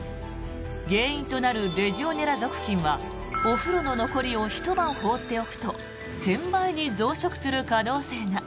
原因となるレジオネラ属菌はお風呂の残り湯をひと晩放っておくと１０００倍に増殖する可能性が。